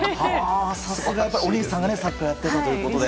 さすがお兄さんがサッカーやっていたということで。